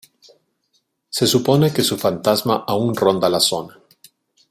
Se supone que su fantasma aún ronda la zona.